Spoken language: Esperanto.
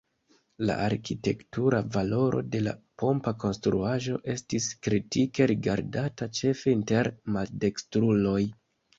La arkitektura valoro de la pompa konstruaĵo estis kritike rigardata, ĉefe inter maldekstruloj.